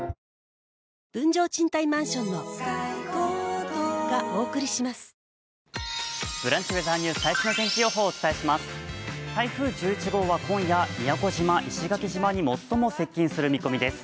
台風１１号は今夜宮古島、石垣島に最も接近する見込みです。